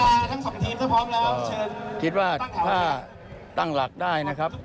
ธุรกิจว่าถ้าตั้งหลักได้นะครับ